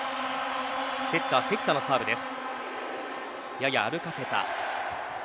セッター関田のサーブです。